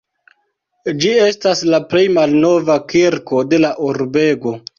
Ĝi estas la plej malnova kirko de la urbego.